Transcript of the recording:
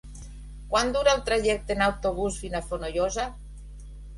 Quant dura el trajecte en autobús fins a Fonollosa?